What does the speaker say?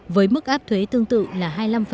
với mức áp thuế tương tự là hai mươi năm